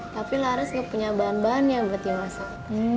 tapi laris enggak punya bahan bahan yang berarti masak